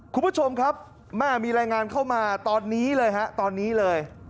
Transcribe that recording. คุณผู้ชมครับมีรายงานเข้ามาตอนนี้เลย